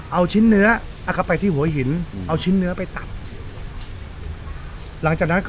เอาชิ้นเนื้อนะครับไปที่หัวหินเอาชิ้นเนื้อไปตัดหลังจากนั้นก็